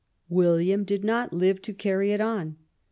William did not live to carry it on.